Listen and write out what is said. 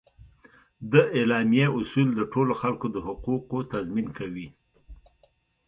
د اعلامیه اصول د ټولو خلکو د حقوقو تضمین کوي.